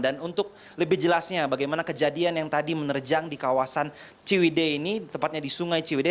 dan untuk lebih jelasnya bagaimana kejadian yang tadi menerjang di kawasan ciwide ini tepatnya di sungai ciwide